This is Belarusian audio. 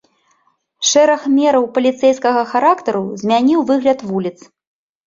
Шэраг мераў паліцэйскага характару змяніў выгляд вуліц.